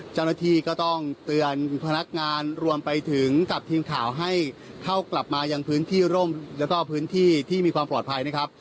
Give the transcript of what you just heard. เจ้าหน้าที่ก็ต้องเตือนพนักงานรวมไปถึงกับทีมข่าวให้เข้ากลับมายังพื้นที่ร่มแล้วก็พื้นที่ที่มีความปลอดภัยนะครับ